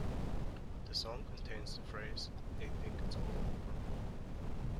The song contains the phrase They think it's all over.